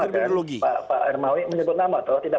pak hermawi menyebut nama tidak menyebut nasdem